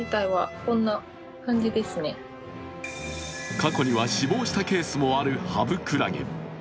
過去には死亡したケースもあるハブクラゲ。